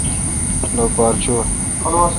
لوپار چوں